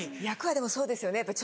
役はでもそうですよね